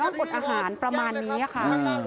น้องกลับอาหารประมาณนี้อะค่ะอืม